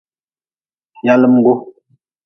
Yalimgu.